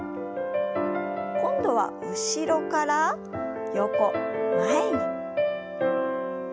今度は後ろから横前に。